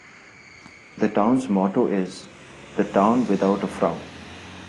The town's motto is "The Town Without A Frown".